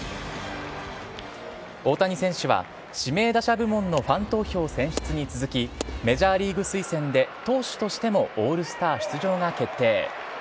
大谷選手は指名打者部門のファン投票選出に続き、メジャーリーグ推薦で、投手としてもオールスター出場が決定。